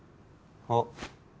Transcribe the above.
あっ